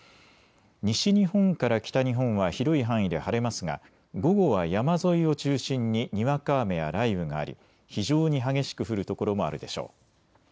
西日本から北日本は広い範囲で晴れますが午後は山沿いを中心ににわか雨や雷雨があり非常に激しく降る所もあるでしょう。